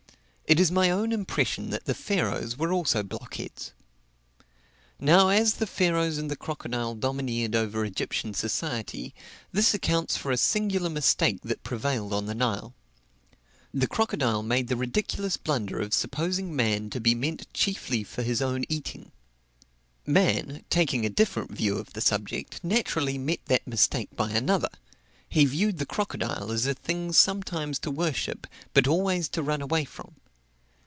It is my own impression that the Pharaohs were also blockheads. Now, as the Pharaohs and the crocodile domineered over Egyptian society, this accounts for a singular mistake that prevailed on the Nile. The crocodile made the ridiculous blunder of supposing man to be meant chiefly for his own eating. Man, taking a different view of the subject, naturally met that mistake by another; he viewed the crocodile as a thing sometimes to worship, but always to run away from.